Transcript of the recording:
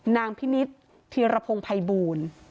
นางพินิศธีรพรงภัยบูรณ์